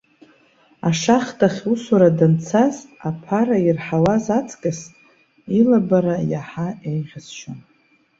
Ашахҭахь усура данцаз, аԥара ирҳауаз аҵкыс илабара иаҳа еиӷьасшьон.